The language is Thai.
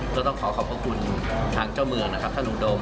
ก็ต้องขอขอบคุณทางเจ้าเมืองท่านลุงดม